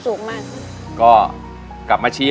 ฝากเพลงช่วยบอกแทนใจ